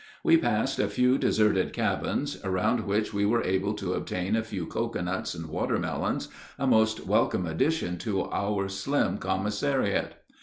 We passed a few deserted cabins, around which we were able to obtain a few cocoanuts and watermelons, a most welcome addition to our slim commissariat.